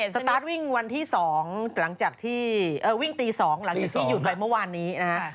สตาร์ทวิ่งวันที่๒หลังจากที่วิ่งตี๒หลังจากที่หยุดไปเมื่อวานนี้นะฮะ